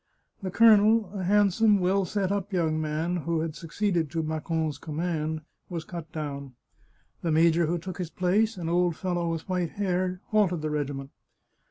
The colonel, a handsome, well set up young man, who had succeeded to Macon's command, was cut down. The major who took his place, an old fellow with white hair, halted the regiment.